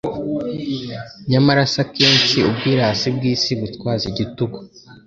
Nyamara se akenshi ubwirasi bw'isi, gutwaza igitugu